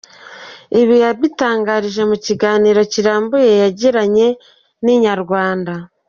Ibi yabitangaje mu kiganiro kirambuye yagiranye na inyarwanda.